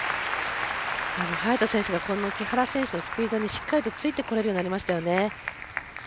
早田選手が木原選手のスピードにしっかりとついてこれるようになりましたね。